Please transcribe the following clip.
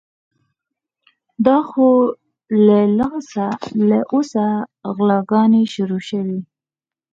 دا خو لا له اوسه غلاګانې شروع شوې.